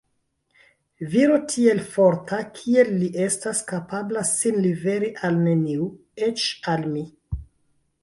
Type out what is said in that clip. Viro tiel forta kiel li estas kapabla sin liveri al neniu, eĉ al mi.